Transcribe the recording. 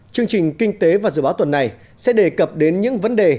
chương trình kinh tế và dự báo tuần này sẽ đề cập đến những vấn đề